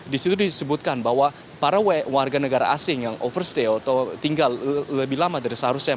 di situ disebutkan bahwa para warga negara asing yang overstayle atau tinggal lebih lama dari seharusnya